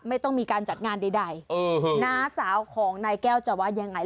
ไม่ต้องมีการจัดงานใดน้าสาวของนายแก้วจะว่ายังไง